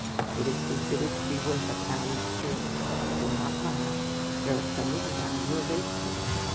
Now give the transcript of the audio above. It is considered to be worth a pound sterling. Do not laugh; there are some of the value of eightpence.